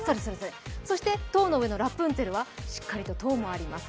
そして「塔の上のラプンツェル」はしっかりと塔もあります。